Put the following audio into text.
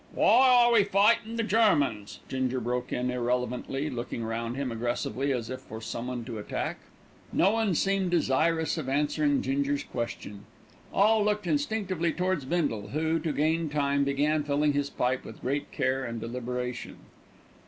Why are we fightin' the Germans?" Ginger broke in irrelevantly, looking round him aggressively as if for someone to attack. No one seemed desirous of answering Ginger's question. All looked instinctively towards Bindle, who, to gain time, began filling his pipe with great care and deliberation.